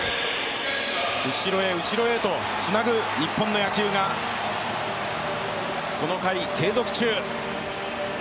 後ろへ、後ろへとつなぐ日本の野球がこの回継続中。